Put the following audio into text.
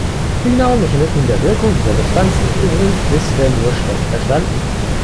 Die genauen Mechanismen der Wirkung dieser Substanzen sind bisher nur schlecht verstanden.